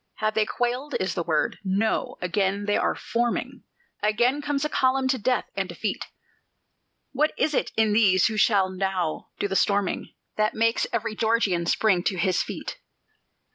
Have they quailed? is the word. No: again they are forming Again comes a column to death and defeat! What is it in these who shall now do the storming That makes every Georgian spring to his feet?